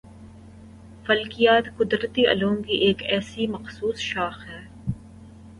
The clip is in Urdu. فلکیات قُدرتی علوم کی ایک ایسی مخصُوص شاخ ہے